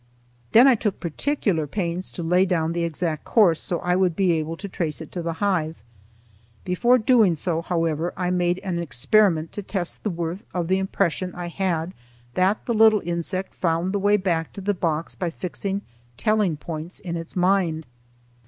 Then I took particular pains to lay down the exact course so I would be able to trace it to the hive. Before doing so, however, I made an experiment to test the worth of the impression I had that the little insect found the way back to the box by fixing telling points in its mind.